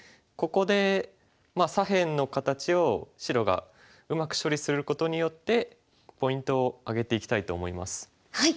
ここで左辺の形を白がうまく処理することによってポイントを挙げていきたいと思います。